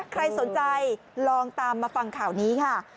ใครสนใจลองตามมาฟังข่าวนี้ค่ะ